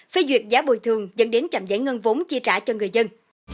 phê duyệt giá bồi thường dẫn đến chậm giải ngân vốn chi trả cho người dân